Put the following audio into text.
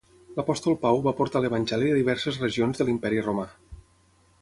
L'apòstol Pau va portar l'evangeli a diverses regions de l'imperi Romà.